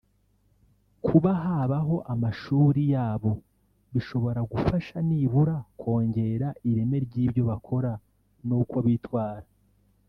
kuba habaho amashuri yabo bishobora gufasha nibura kongera ireme ry’ibyo bakora n’uko bitwara